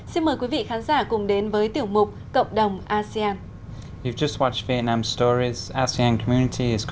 xin mời quý vị khán giả cùng đến với tiểu mục cộng đồng asean